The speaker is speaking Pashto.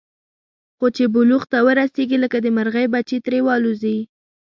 خو چې بلوغ ته ورسېږي، لکه د مرغۍ بچي ترې والوځي.